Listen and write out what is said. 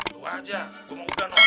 tuh aja gue mau udah nangkutin